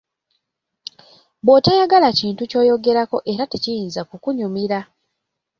Bw'otayagala kintu ky'oyogerako era tekiyinza kukunyumira.